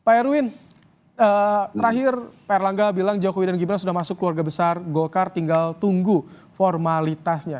pak erwin terakhir pak erlangga bilang jokowi dan gibran sudah masuk keluarga besar golkar tinggal tunggu formalitasnya